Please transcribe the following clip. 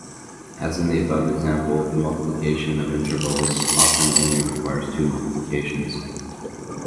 As in the above example, the multiplication of intervals often only requires two multiplications.